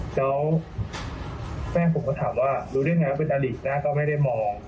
แล้วแฟนผมก็ถามว่ารู้ได้ไงว่าเป็นอลิกนะก็ไม่ได้มอง